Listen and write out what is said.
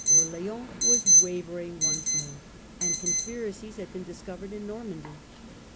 Orleans was wavering once more, and conspiracies had been dis covered in Normandy.